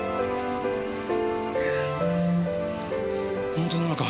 本当なのか？